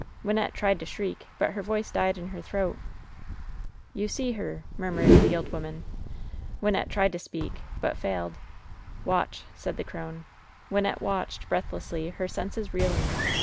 Wynnette tried to shriek, but her voice died in her throat. "You see her V^ murmured the old woman. Wynnette tried to speak, but failed. "Watch V^ said the crone. Wynnette watched, breathlessly, her senses reeling.